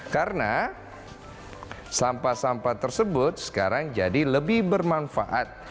karena sampah sampah tersebut sekarang jadi lebih bermanfaat